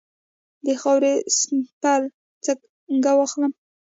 د خاورې سمپل څنګه واخلم؟